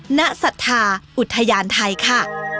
ศรัทธาอุทยานไทยค่ะ